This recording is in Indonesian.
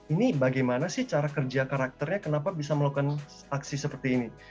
ini bagaimana sih cara kerja karakternya kenapa bisa melakukan aksi seperti ini